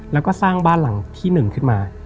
แล้วก็สร้างบ้านหลังที่๑ขึ้นมา